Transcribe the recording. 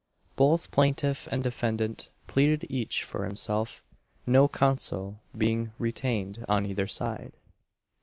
Both plaintiff and defendant pleaded each for himself; no counsel being retained on either side.